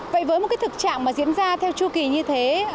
vậy với một thực trạng diễn ra theo chư kỳ như thế